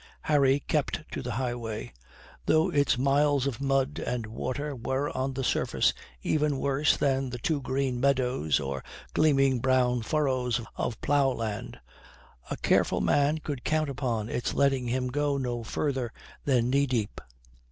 Harry kept to the highway. Though its miles of mud and water were, on the surface, even worse than the too green meadows or the gleaming brown furrows of plough land, a careful man could count upon its letting him go no further than knee deep.